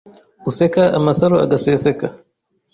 Useka amasaro agaseseka